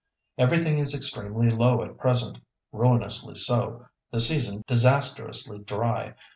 Everything is extremely low at present—ruinously so, the season disastrously dry.